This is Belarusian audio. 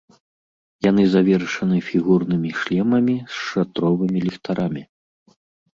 Яны завершаны фігурнымі шлемамі з шатровымі ліхтарамі.